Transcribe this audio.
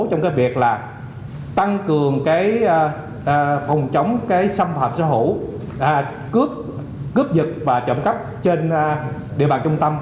trong cái việc là tăng cường cái phòng chống cái xâm phạm xã hội cướp dịch và trộm cắp trên địa bàn trung tâm